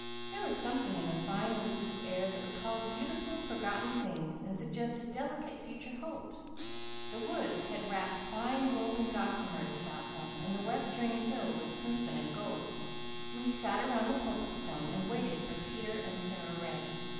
There was something in the fine, elusive air, that recalled beautiful, forgotten things and suggested delicate future hopes. The woods had wrapped fine woven gossamers about them and the westering hill was crimson and gold. We sat around the Pulpit Stone and waited for Peter and Sara Ray.